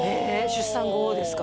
出産後ですか？